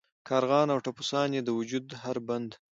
کارغان او ټپوسان یې د وجود هر بند.